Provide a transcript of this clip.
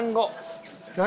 何？